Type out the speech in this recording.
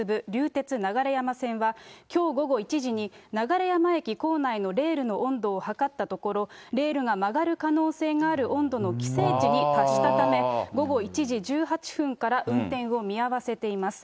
鉄流山線は、きょう午後１時に、流山駅構内のレールの温度を測ったところ、レールが曲がる可能性がある温度の規制値に達したため、午後１時１８分から運転を見合わせています。